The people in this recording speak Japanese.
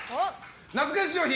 懐かし商品！